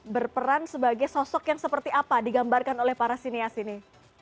berperan sebagai sosok yang seperti apa digambarkan oleh para sinias ini